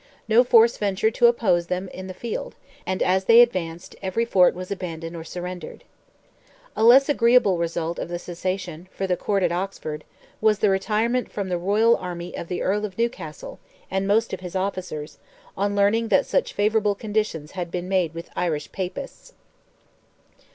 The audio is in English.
No force ventured to oppose them in the field; and as they advanced, every fort was abandoned or surrendered." A less agreeable result of "the cessation," for the court at Oxford, was the retirement from the royal army of the Earl of Newcastle, and most of his officers, on learning that such favourable conditions had been made with Irish Papists.